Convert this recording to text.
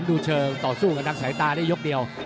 แต่ว่าเราเฉยเชิงต่อศู้กันกันทั้งสายตาได้ยกเดียว